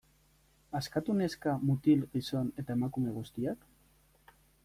Askatu neska, mutil, gizon eta emakume guztiak?